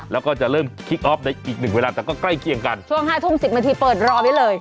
แล้วก็จะเริ่มคลิกออฟในอีกหนึ่งเวลาแต่ก็ใกล้เคียงกันช่วง๕ทุ่ม๑๐นาทีเปิดรอไว้เลย